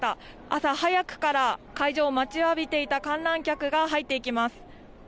朝早くから開場を待ちわびていた観覧客が入っていきます。